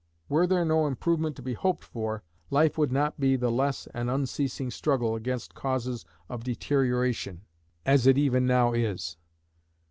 Were there no improvement to be hoped for, life would not be the less an unceasing struggle against causes of deterioration, as it even now is.